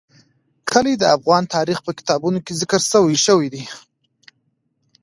کلي د افغان تاریخ په کتابونو کې ذکر شوی دي.